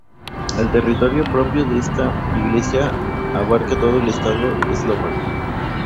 El territorio propio de esta Iglesia abarca todo el Estado eslovaco.